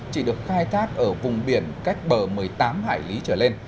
chỉ được khai thác ở vùng biển cách bờ một mươi tám hải lý trở lên